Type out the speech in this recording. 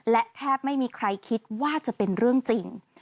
และแทบไม่มีใครคิดว่าจะเป็นเรื่องจริง